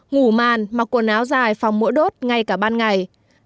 ngủ màn mặc quần áo dài phòng mũi đốt ngay cả ban ngày